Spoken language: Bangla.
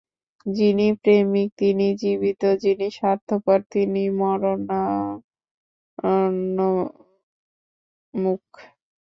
যিনি প্রেমিক, তিনিই জীবিত, যিনি স্বার্থপর, তিনি মরণোন্মুখ।